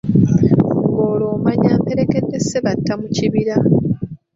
Ng'olwo omanya mperekedde Ssebatta mu kibira.